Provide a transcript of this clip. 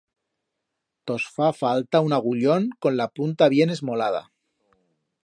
Tos fa falta un agullón con la punta bien esmolada.